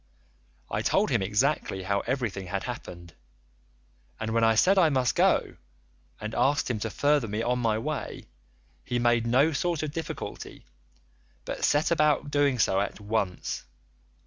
I told him exactly how everything had happened, and when I said I must go, and asked him to further me on my way, he made no sort of difficulty, but set about doing so at once.